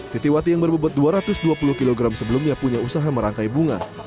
titi wati yang berbebut dua ratus dua puluh kg sebelumnya punya usaha merangkai bunga